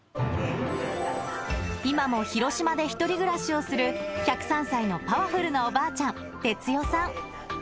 今も広島で１人暮らしをする１０３歳のパワフルなおばあちゃん、哲代さん。